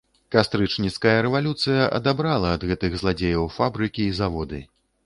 Кастрычніцкая рэвалюцыя адабрала ад гэтых зладзеяў фабрыкі і заводы.